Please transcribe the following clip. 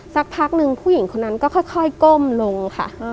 สักพักหนึ่งผู้หญิงคนนั้นก็ค่อยก้มลงค่ะ